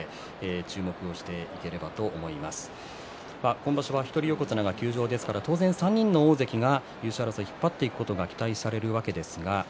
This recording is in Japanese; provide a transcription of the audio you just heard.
今場所は一人横綱が休場ですから当然３人の大関が優勝争いを引っ張っていくことが期待されます。